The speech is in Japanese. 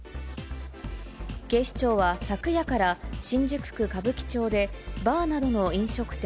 警視庁は昨夜から新宿区歌舞伎町で、バーなどの飲食店